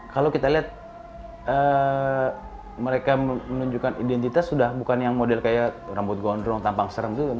kalau kita lihat mereka menunjukkan identitas sudah bukan yang model kayak rambut gondrong tampang serem itu